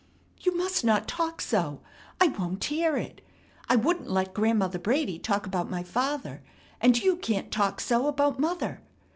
"You must not talk so. I won't hear it. I wouldn't let Grandmother Brady talk about my father, and you can't talk so about mother.